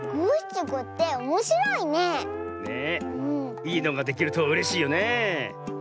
いいのができるとうれしいよねえ。